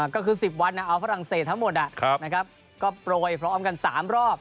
ก็คือ๑๐วันเอาฝรั่งเศสทั้งหมดก็โปรยพร้อมกัน๓รอบ